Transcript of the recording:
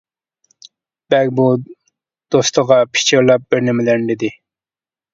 بەگ بۇ دوستىغا پىچىرلاپ بىرنېمىلەرنى دېدى.